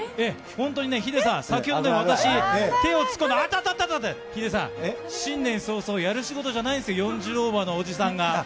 本当にね、ヒデさん、先ほど私、手をつくので、あたたたたって、ヒデさん、新年早々やる仕事じゃないですよ、４０オーバーのおじさんが。